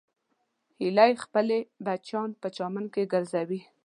هیلۍ خپل بچیان په چمن کې ګرځوي